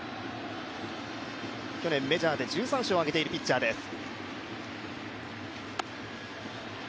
去年、メジャーで１３勝を挙げているピッチャーです。